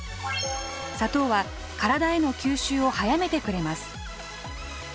砂糖は体への吸収を速めてくれます。